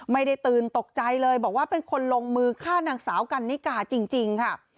ไม่ได้ตื่นตกใจเลยบอกว่าเป็นคนลงมือฆ่านางสาวกันนิกาจริงค่ะ